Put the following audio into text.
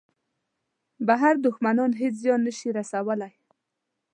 بهر دوښمنان هېڅ زیان نه شي رسولای.